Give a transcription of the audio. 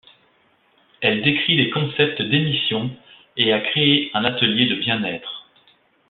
Elle écrit des concepts d'émissions et a créé un atelier de bien être.